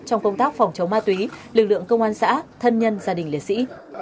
trong công tác phòng chống ma túy lực lượng công an xã thân nhân gia đình liệt sĩ